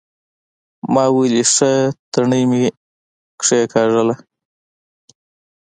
ما ويلې ښه تڼۍ مې کېکاږله.